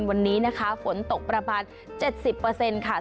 วันนี้ฝนตกประมาณ๗๐เปอร์เซ็นต์ค่ะ